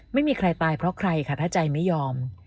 ไม่มีใครตายเพราะใครค่ะถ้าใจไม่ยอม